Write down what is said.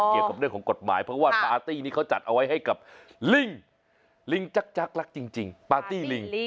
เกี่ยวกับเรื่องของกฎหมายเพราะว่าปาร์ตี้นี้เขาจัดเอาไว้ให้กับลิงลิงจักรักจริงปาร์ตี้ลิง